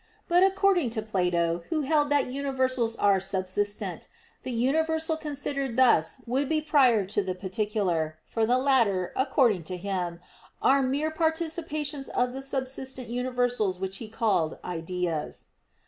But according to Plato, who held that universals are subsistent, the universal considered thus would be prior to the particular, for the latter, according to him, are mere participations of the subsistent universals which he called ideas.